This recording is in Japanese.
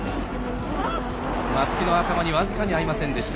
松木の頭に僅かに合いませんでした。